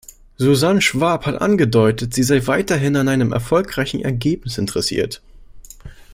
Susan Schwab hat angedeutet, sie sei weiterhin an einem erfolgreichen Ergebnis interessiert.